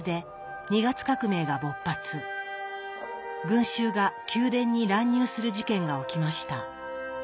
群衆が宮殿に乱入する事件が起きました。